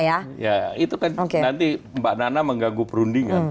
ya itu kan nanti mbak nana mengganggu perundingan